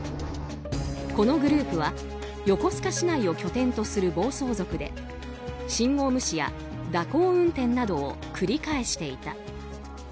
このグループは横須賀市内を拠点とする暴走族で信号無視や蛇行運転などを繰り返していた。